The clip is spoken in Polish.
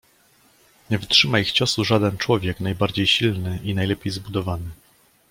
"Nie wytrzyma ich ciosu żaden człowiek najbardziej silny i najlepiej zbudowany."